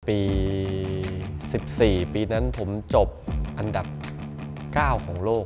ปี๑๔ปีนั้นผมจบอันดับ๙ของโลก